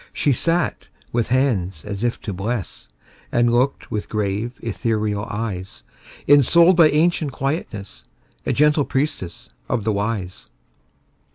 She sat with hands as if to bless, And looked with grave, ethereal eyes; Ensouled by ancient quietness, A gentle priestess of the Wise.